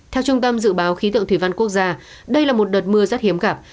theo trung tâm dự báo khí tượng thủy văn quốc gia đây là một đợt mưa rất hiếm gặp